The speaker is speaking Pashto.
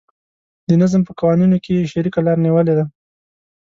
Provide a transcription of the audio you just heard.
د نظم په قوانینو کې یې شریکه لاره نیولې ده.